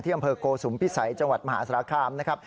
อำเภอโกสุมพิสัยจังหวัดมหาสารคามนะครับ